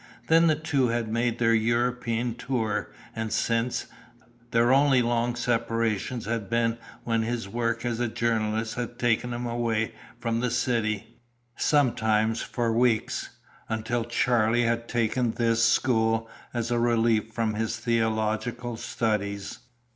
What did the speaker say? Then the two had made their European tour, and since, their only long separations had been when his work as journalist had taken him away from the city, sometimes for weeks, until Charlie had taken this school as a relief from his theological studies.